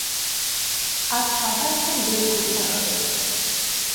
আজ সবাইকে বের করতে হবে।